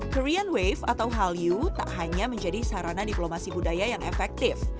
korean wave atau hallyu tak hanya menjadi sarana diplomasi budaya yang efektif